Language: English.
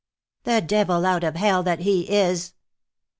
"The devil out of hell that he is."